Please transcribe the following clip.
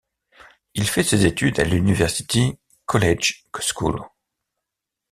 Il fait ses études à l’University College School.